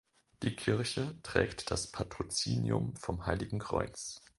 Die Kirche trägt das Patrozinium vom Heiligen Kreuz.